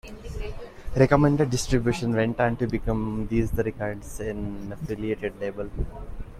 Recommended Distribution went on to become These Records, an affiliated label.